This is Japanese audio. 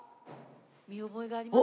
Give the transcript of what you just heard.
見覚えがありますか？